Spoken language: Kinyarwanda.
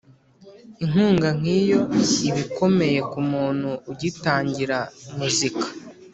inkunga nk’iyo iba ikomeye ku muntu ugitangira muzika.